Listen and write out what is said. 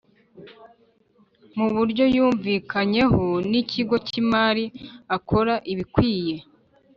Mu buryo yumvikanyeho n’ ikigo cy’ imari akora ibikwiye.